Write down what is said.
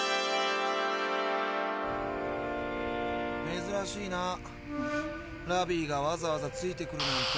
めずらしいなラビィがわざわざついてくるなんて。